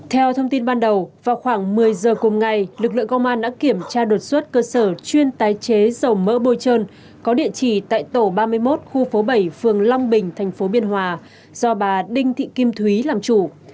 theo thông tin ban đầu vào khoảng một mươi giờ cùng ngày lực lượng công an đã kiểm tra đột xuất cơ sở chuyên tái chế dầu mỡ bôi trơn có địa chỉ tại tổ ba mươi một khu phố bảy phường long bình tp biên hòa do bà đinh thị kim thúy làm chủ